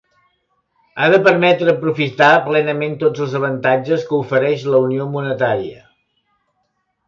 Ha de permetre aprofitar plenament tots els avantatges que ofereix la Unió Monetària.